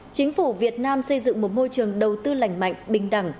chính phủ việt nam xây dựng một môi trường đầu tư lành mạnh bình đẳng